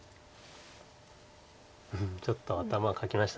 うんちょっと頭かきました。